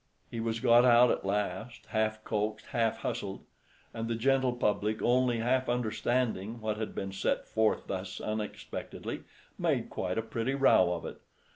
He was got out at last, half coaxed, half hustled; and the gentle public only half understanding what had been set forth thus unexpectedly, made quite a pretty row of it.